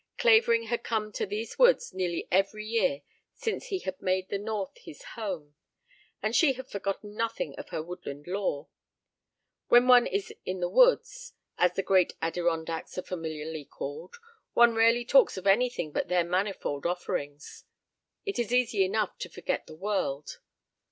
Clavering had come to these woods nearly every year since he had made the north his home, and she had forgotten nothing of her woodland lore. When one is "in the woods," as the great Adirondacks are familiarly called, one rarely talks of anything but their manifold offerings. It is easy enough to forget the world.